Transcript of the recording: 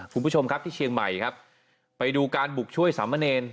คุณผู้ชมครับที่เชียงใหม่ครับไปดูการบุกช่วยสามเณร